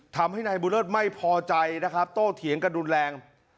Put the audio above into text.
ทำให้นายบุเลิศไม่พอใจนะครับโต้เถียงกันรุนแรง